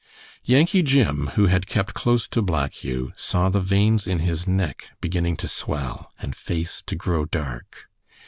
Yankee Jim, who had kept close to Black Hugh, saw the veins in his neck beginning to swell, and face to grow dark.